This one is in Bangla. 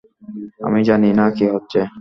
আমি জানি না কি হচ্ছে।